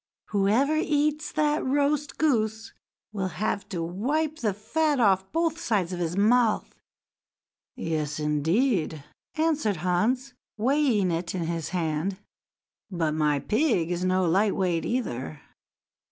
Whoever eats that roast goose will have to wipe the fat off both sides of his mouth." "Yes, indeed!" answered Hans, weighing it in his hand; "but my pig is no light weight, either."